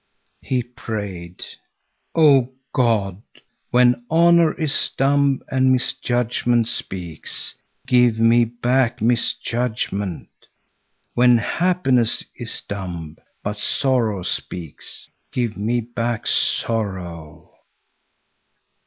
He prayed: "O God, when honor is dumb, and misjudgment speaks, give me back misjudgment! When happiness is dumb, but sorrow speaks, give me back sorrow!"